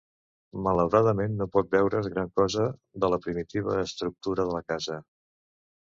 Malauradament no pot veure's gran cosa de la primitiva estructura de la casa.